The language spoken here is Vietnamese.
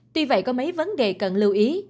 tuy vậy có mấy vấn đề cần lưu ý